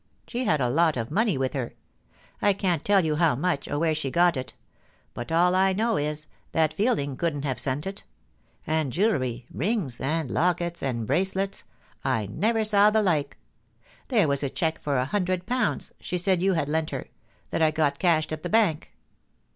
She had a lot of money with her. 1 can't tell you how much, or where she got it ; but aD I know is, that Fielding couldn't have sent it ; and jeweBan — rings, and lockets, and bracelets — I never saw the like There was a cheque for a hundred pounds, she said you had lent her ; that I got cashed at the bank.